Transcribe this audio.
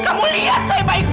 kamu lihat saya baik